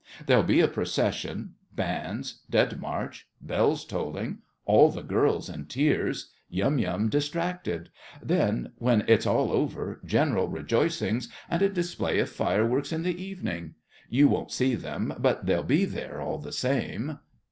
There'll be a procession—bands—dead march—bells tolling—all the girls in tears—Yum Yum distracted—then, when it's all over, general rejoicings, and a display of fireworks in the evening. You won't see them, but they'll be there all the same.